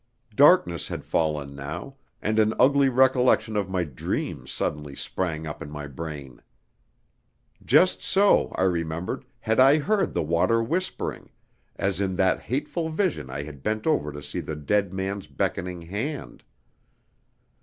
Darkness had fallen now, and an ugly recollection of my dream suddenly sprang up in my brain. Just so, I remembered, had I heard the water whispering, as in that hateful vision I had bent over to see the dead man's beckoning hand.